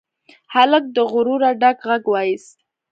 هلک له غروره ډک غږ واېست.